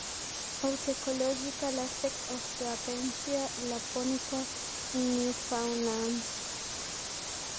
Autecological aspects of Diapensia lapponica in Newfoundland.